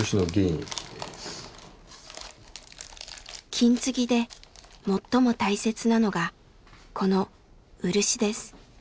金継ぎで最も大切なのがこの漆です。